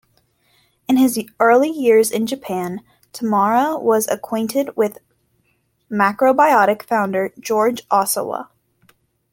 In his early years in Japan, Tamura was acquainted with macrobiotic founder George Osawa.